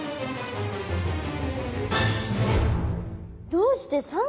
どうして？